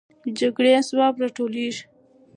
د جګړې اسباب راټولېږي.